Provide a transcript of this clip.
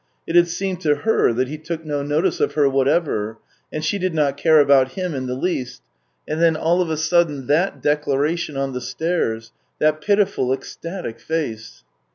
It had seemed to her that he took no notice of her whatever, and she did not care about him in the least — and then all of a sudden that declaration on the stairs, that pitiful, ecstatic face.